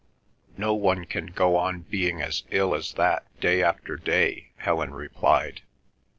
"No one can go on being as ill as that day after day—" Helen replied.